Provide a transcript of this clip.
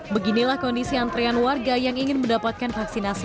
beginilah kondisi antrean warga yang ingin mendapatkan vaksinasi